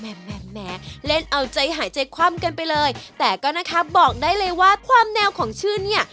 แหมเล่นเอาใจหายใจคว่ำกันไปเลยแต่ก็นะคะบอกได้เลยว่าความแนวของชื่อเนี่ย